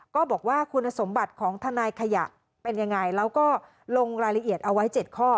ก็บอกว่าคุณสมบัติของทนายขยะเป็นยังไงแล้วก็ลงรายละเอียดเอาไว้๗ข้อ